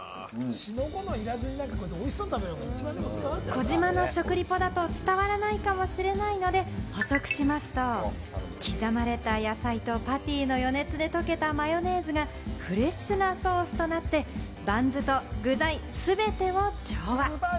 児嶋の食リポだと伝わらないかもしれないので補足しますと、刻まれた野菜とパティの余熱で溶けたマヨネーズがフレッシュなソースとなって、バンズと具材、全てを調和。